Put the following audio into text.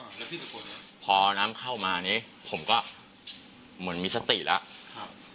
แล้วพี่สกุลพอน้ำเข้ามานี่ผมก็เหมือนมีสติแล้วครับ